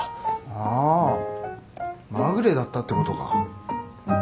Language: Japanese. あぁまぐれだったってことか。